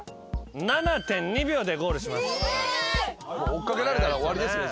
追っかけられたら終わりですね。